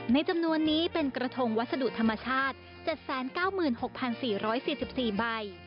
จำนวนนี้เป็นกระทงวัสดุธรรมชาติ๗๙๖๔๔ใบ